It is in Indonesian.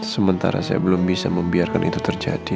sementara saya belum bisa membiarkan itu terjadi